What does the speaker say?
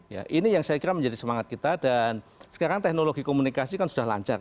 ya ini yang saya kira menjadi semangat kita dan sekarang teknologi komunikasi kan sudah lancar